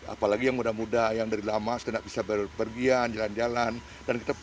apalagi yang mudah mudah yang dari lama tidak bisa berpergian jalan jalan dan kita